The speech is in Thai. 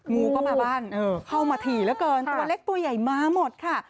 งูก็มาบ้านเข้ามาถี่เหลือเกินตัวเล็กตัวใหญ่มาหมดค่ะ